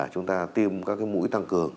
chúng ta tiêm các cái mũi tăng cường